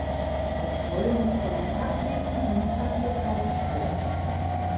Das Heu muß von adligen Gütern gekauft werden.